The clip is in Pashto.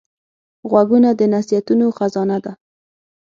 غوږونه د نصیحتونو خزانه ده